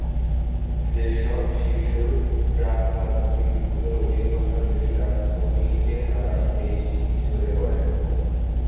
যেসব শিশুর প্রাক-প্রাথমিক স্কুলের অভিজ্ঞতা নেই, প্রাথমিকে তারা বেশি ঝরে পড়ে।